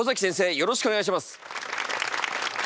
よろしくお願いします。